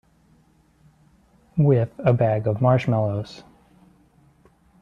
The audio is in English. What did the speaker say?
With a bag of marshmallows.